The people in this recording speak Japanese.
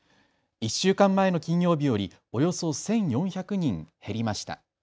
１週間前の金曜日よりおよそ１４００人減りました。